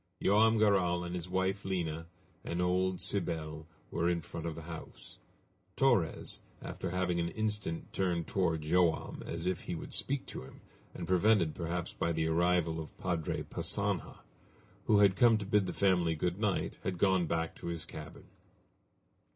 Joam Garral and his wife, Lina, and old Cybele, were in front of the house. Torres, after having for an instant turned toward Joam as if he would speak to him, and prevented perhaps by the arrival of Padre Passanha, who had come to bid the family good night, had gone back to his cabin.